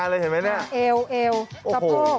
เอวกับโห